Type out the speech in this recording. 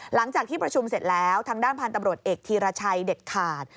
หลังจากที่ประชุมเสร็จแล้วทางด้านพันธุ์ตำรวจเอกธีรชัยเด็ดขาด